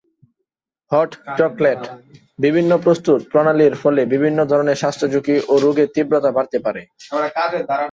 Hot chocolate বিভিন্ন প্রস্তুত প্রণালীর ফলে বিভিন্ন ধরনের স্বাস্থ্য ঝুঁকি ও রোগের তীব্রতা বাড়তে পারে।